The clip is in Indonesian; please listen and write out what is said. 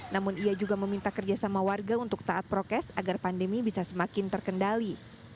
namun ia juga meminta kerjasama warga untuk taat prokes agar pandemi bisa semakin terkendali